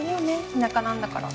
田舎なんだから。